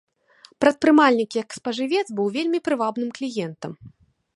Прадпрымальнік як спажывец быў вельмі прывабным кліентам.